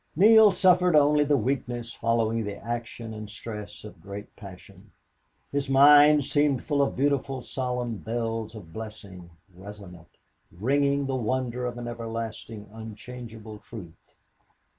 Neale suffered only the weakness following the action and stress of great passion. His mind seemed full of beautiful solemn bells of blessing, resonant, ringing the wonder of an everlasting unchangeable truth.